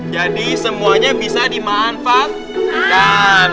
jadi semuanya bisa dimanfaatkan